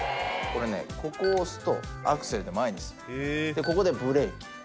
ここを押すとアクセルで前に進むでここでブレーキ。